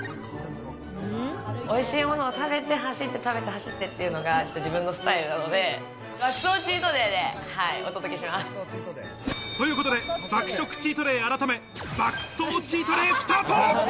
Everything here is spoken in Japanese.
おいしいものを食べて、走って食べて走ってっていうのが自分のスタイルなので、爆走チーということで、爆食チートデイ改め、爆走チートデイ、スタート！